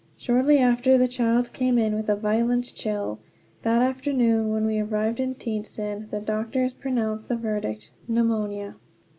Shortly after the child came in with a violent chill. That afternoon, when we arrived in Tientsin, the doctors pronounced the verdict pneumonia.